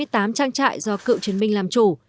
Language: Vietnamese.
chín trăm chín mươi tám trang trại do cựu chiến binh làm chủ